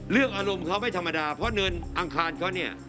อารมณ์เขาไม่ธรรมดาเพราะเนินอังคารเขาเนี่ย